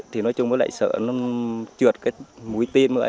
thì nói chung với lại sợ nó trượt cái mũi tim nữa